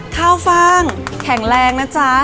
ข้าวฟ่างแข็งแรงนะจ๊ะ